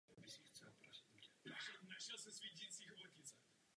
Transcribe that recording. Rudolf mezitím rozpustil většinu svého vojska a začal přebírat moc na Moravě.